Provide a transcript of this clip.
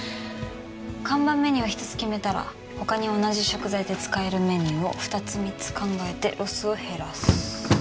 看板メニューを一つ決めたら他に同じ食材で使えるメニューを二つ三つ考えてロスを減らす。